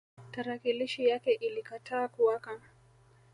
Tarakilishi yake ilikataa kuwaka